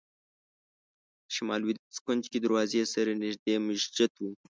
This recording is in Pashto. د شمال لوېدیځ کونج کې دروازې سره نږدې مسجد و.